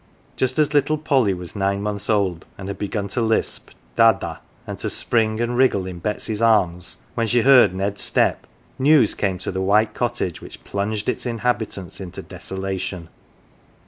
Just as little Polly was nine months old, and had begun to lisp "Da da," and to spring and wriggle in Betsy's arms when she heard Ned's step, news came to the white cottage which plunged its inhabitants in desolation.